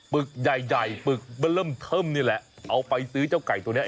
ึกใหญ่ใหญ่ปึกมันเริ่มเทิมนี่แหละเอาไปซื้อเจ้าไก่ตัวเนี้ย